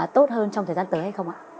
tốt hơn trong thời gian tới hay không ạ